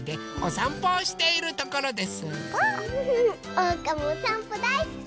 おうかもおさんぽだいすき！